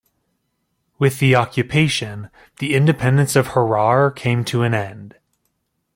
With the occupation, the independence of Harar came to an end.